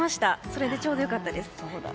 それでちょうど良かったです。